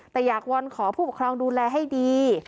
แต่อยากวอนขอผู้ปกครองดูแลให้ดี